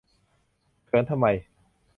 เขินทำไม